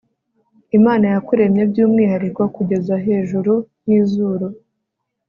imana yakuremye byumwihariko kugeza hejuru yizuru